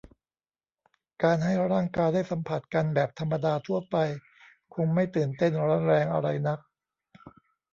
การให้ร่างกายได้สัมผัสกันแบบธรรมดาทั่วไปคงไม่ตื่นเต้นร้อนแรงอะไรนัก